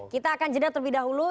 kita akan jeda terlebih dahulu